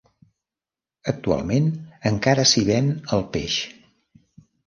Actualment encara s'hi ven el peix.